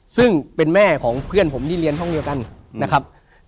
ซึ่งเป็นแม่ของเพื่อนผมที่เรียนห้องเดียวกันนะครับ